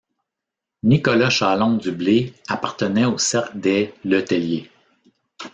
Nicolas Chalon du Blé appartenait au cercle des Le Tellier.